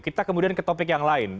kita kemudian ke topik yang lain